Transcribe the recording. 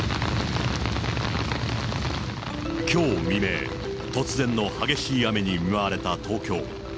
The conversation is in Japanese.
きょう未明、突然の激しい雨に見舞われた東京。